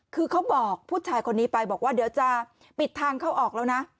คือเขาบอกผู้ชายคนนี้ไปบอกว่าเดี๋ยวจะปิดทางเข้าออกแล้วนะ